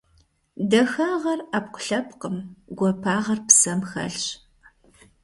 Дахагъэр - ӏэпкълъэпкъым, гуапагъэр псэм хэлъщ.